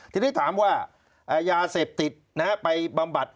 ทีนี้ถามว่ายาเสพติดไปบำบัด